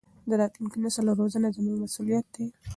د راتلونکي نسل روزنه زموږ مسؤلیت دی.